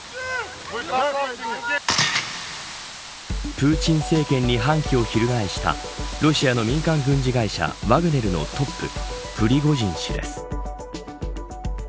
プーチン政権に反旗を翻したロシアの民間軍事会社ワグネルのトッププリゴジン氏です。